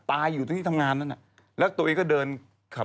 ตายอยู่ที่ทำงานนั่นน่ะแล้วตัวเองก็เดินขับ